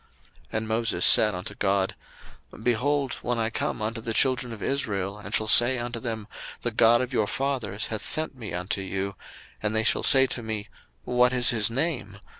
02:003:013 And Moses said unto God, Behold, when I come unto the children of Israel, and shall say unto them, The God of your fathers hath sent me unto you; and they shall say to me, What is his name?